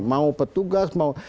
mau petugas mau